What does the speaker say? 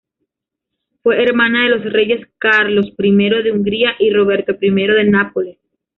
Fue hermana de los reyes Carlos I de Hungría y Roberto I de Nápoles.